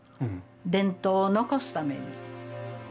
伝統を残すために。